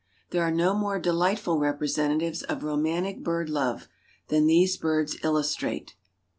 There are no more delightful representatives of romantic bird love, than these birds illustrate.